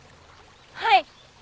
はい。